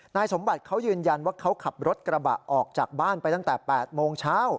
นายสมบัติเขายืนยันว่าเขาขับรถกระบะออกจากบ้านไปตั้งแต่๘โมงเช้า